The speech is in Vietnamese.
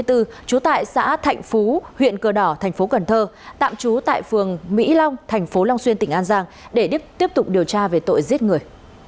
trú tại xã thạnh phú huyện cờ đỏ thành phố cần thơ tạm trú tại phường mỹ long thành phố long xuyên tỉnh an giang để tiếp tục điều tra về tội giết người